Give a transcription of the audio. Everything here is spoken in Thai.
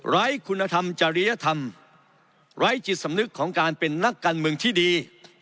ไร้คุณธรรมจริยธรรมไร้จิตสำนึกของการเป็นนักการเมืองที่ดี